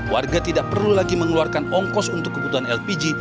warga tidak perlu lagi mengeluarkan ongkos untuk kebutuhan lpg